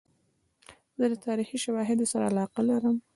زه د تاریخي شواهدو سره علاقه لرم.